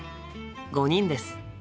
５人です。